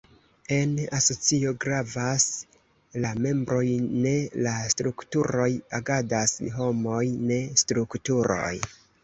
En asocio gravas la membroj ne la strukturoj; agadas homoj ne strukturoj.